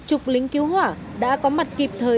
chục lính cứu hỏa đã có mặt kịp thời